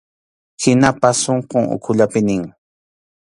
Hinaspas sunqun ukhullapi nin.